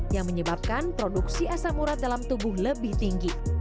yang menyebabkan produksi asam urat dalam tubuh lebih tinggi